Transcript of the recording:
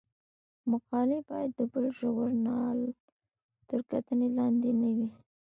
مقالې باید د بل ژورنال تر کتنې لاندې نه وي.